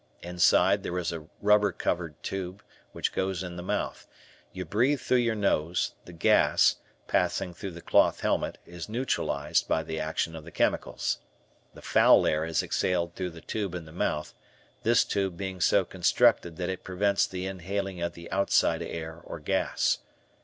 Inside there is a rubber covered tube, which goes in the mouth, You breathe through your nose; the gas, passing through the cloth helmet, is neutralized by the action of the chemicals. The foul air is exhaled through the tube in the mouth, this tube being so constructed that it prevents the inhaling of the outside air or gas.